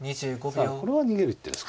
さあこれは逃げる一手です。